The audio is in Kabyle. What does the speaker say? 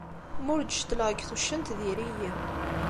Ma ur d-cetleɣ deg tuccent, diri-yi.